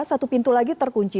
satu pintu lagi terkunci